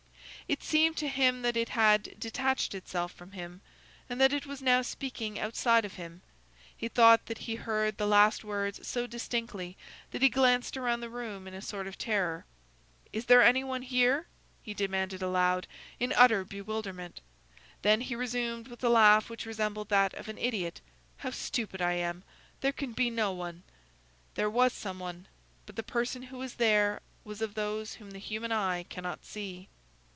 It seemed to him that it had detached itself from him, and that it was now speaking outside of him. He thought that he heard the last words so distinctly, that he glanced around the room in a sort of terror. "Is there any one here?" he demanded aloud, in utter bewilderment. Then he resumed, with a laugh which resembled that of an idiot:— "How stupid I am! There can be no one!" There was some one; but the person who was there was of those whom the human eye cannot see.